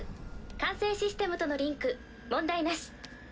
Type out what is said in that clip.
管制システムとのリンク問題なし。